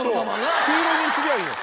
黄色にすりゃいいのか。